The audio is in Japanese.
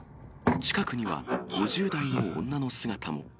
近くには、５０代の女の姿も。